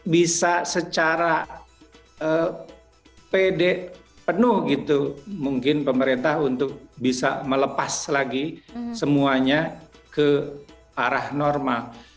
bisa secara pede penuh gitu mungkin pemerintah untuk bisa melepas lagi semuanya ke arah normal